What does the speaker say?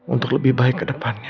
untuk lebih baik kedepannya